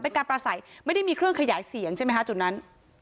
เป็นการปราศัยไม่ได้มีเครื่องขยายเสียงใช่ไหมคะจุดนั้น